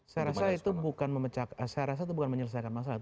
saya rasa itu bukan menyelesaikan masalah